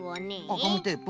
あっガムテープ。